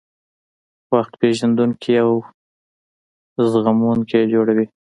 وخت پېژندونکي او زغموونکي یې جوړوي.